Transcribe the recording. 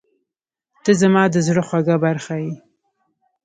• ته زما د زړه خوږه برخه یې.